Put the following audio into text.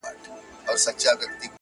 خیر دی قبر ته دي هم په یوه حال نه راځي.